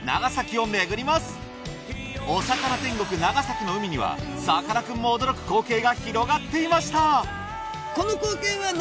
お魚天国長崎の海にはさかなクンも驚く光景が広がっていました！